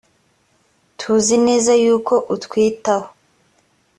tuzi neza yuko utwitaho .